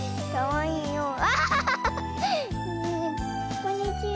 こんにちは。